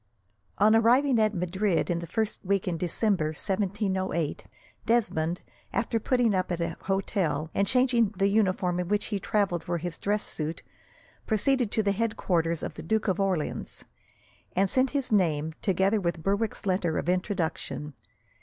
On arriving at Madrid in the first week in December, 1708, Desmond, after putting up at an hotel, and changing the uniform in which he travelled for his dress suit, proceeded to the headquarters of the Duke of Orleans, and sent in his name, together with Berwick's letter of introduction.